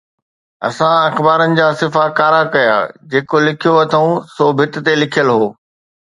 اسان اخبارن جا صفحا ڪارا ڪيا، جيڪي لکيو اٿئون سو ڀت تي لکيل هو.